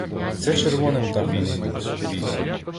Це «червоним» так не минулося.